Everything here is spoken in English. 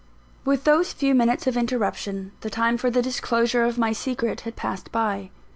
With those few minutes of interruption, the time for the disclosure of my secret had passed by.